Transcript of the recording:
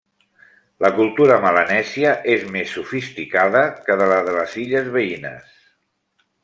La cultura melanèsia és més sofisticada que la de les illes veïnes.